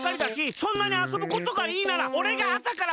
そんなにあそぶことがいいならおれがあさからばんまであそびます！